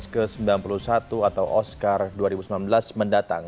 ke sembilan puluh satu atau oscar dua ribu sembilan belas mendatang